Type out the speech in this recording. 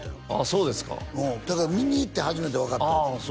そうですかうんだから見に行って初めて分かった言うてたああ